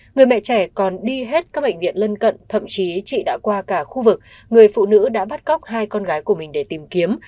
người mẹ trẻ còn đi hết các bệnh viện lân cận thậm chí chị đã qua cả khu vực người phụ nữ đã bắt cóc hai con gái của mình để tìm kiếm